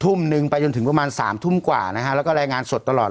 ทุ่มนึงไปจนถึงประมาณ๓ทุ่มกว่านะฮะแล้วก็รายงานสดตลอด